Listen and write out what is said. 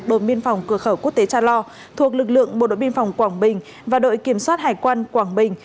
đồn biên phòng cửa khẩu quốc tế cha lo thuộc lực lượng bộ đội biên phòng quảng bình và đội kiểm soát hải quan quảng bình